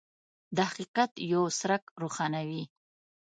د حقیقت یو څرک روښانوي.